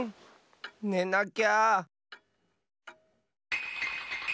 ねなきゃ。